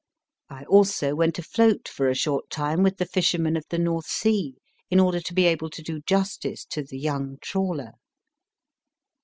I also went afloat for a short time with the fishermen of the North Sea in order to be able to do justice to The Young Trawler.